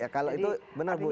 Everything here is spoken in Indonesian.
kalau itu benar bu